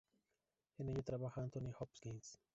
En ella trabaja Anthony Hopkins.